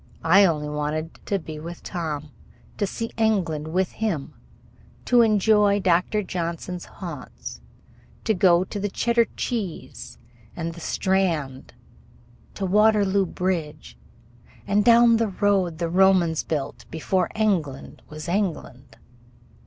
I only wanted to be with Tom, to see England with him, to enjoy Dr. Johnson's haunts, to go to the "Cheddar Cheese" and the Strand, to Waterloo Bridge, and down the road the Romans built before England was England.